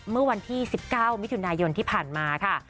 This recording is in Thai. เมื่อวันที่๑๙มิถุนายนที่ผ่านมาค่ะ